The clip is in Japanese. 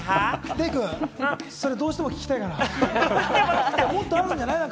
デイくん、それどうしても聞きたいかな？